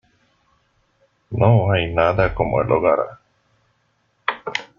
¡ No hay nada como el hogar!